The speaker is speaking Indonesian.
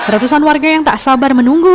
ratusan warga yang tak sabar menunggu